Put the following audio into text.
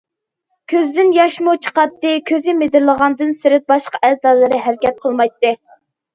كۆزىدىن ياشمۇ چىقاتتى، كۆزى مىدىرلىغاندىن سىرت باشقا ئەزالىرى ھەرىكەت قىلمايتتى.